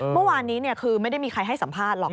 เมื่อวานนี้คือไม่ได้มีใครให้สัมภาษณ์หรอก